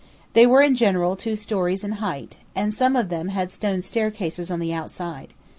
They were in general two stories in height; and some of them had stone staircases on the outside.